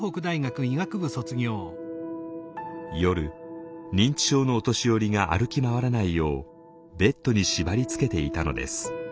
夜認知症のお年寄りが歩き回らないようベッドに縛りつけていたのです。